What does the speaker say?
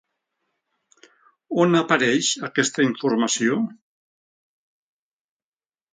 On apareix aquesta informació?